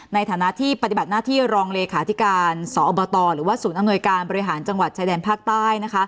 ในฐานะที่ปฏิบัติหน้าที่รองเลขาธิการสอบตหรือว่าศูนย์อำนวยการบริหารจังหวัดชายแดนภาคใต้